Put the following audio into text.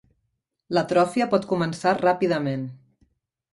L'atròfia pot començar ràpidament.